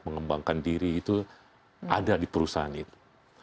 mengembangkan diri itu ada di perusahaan itu